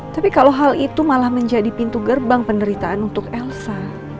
tapi kalau hal itu malah menjadi pintu gerbang penderitaan untuk elsa